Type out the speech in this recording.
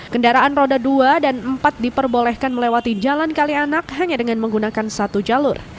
kendaraan roda dua dan empat diperbolehkan melewati jalan kalianak hanya dengan menggunakan satu jalur